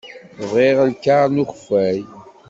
Bɣiɣ lkaṛ n ukeffay.